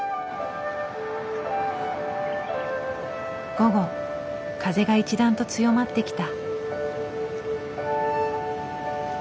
午後風が一段と強まってきた。